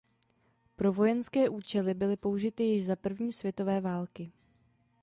Pro vojenské účely byly použity již za první světové války.